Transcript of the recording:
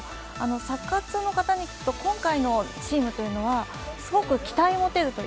サッカー通の方に聞くと今回のチームはすごく期待を持てると。